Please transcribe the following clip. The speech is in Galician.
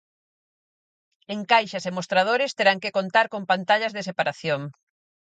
En caixas e mostradores terán que contar con pantallas de separación.